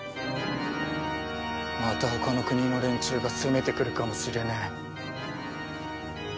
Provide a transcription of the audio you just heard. また他の国の連中が攻めてくるかもしれねえ。